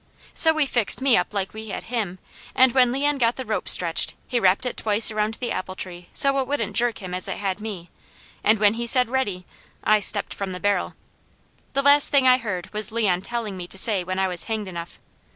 So we fixed me up like we had him, and when Leon got the rope stretched, he wrapped it twice around the apple tree so it wouldn't jerk him as it had me, and when he said "Ready," I stepped from the barrel. The last thing I heard was Leon telling me to say when I was hanged enough.